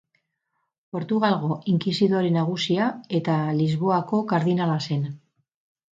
Portugalgo inkisidore nagusia eta Lisboako kardinala zen.